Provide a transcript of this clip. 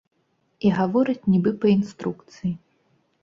І гавораць нібы па інструкцыі.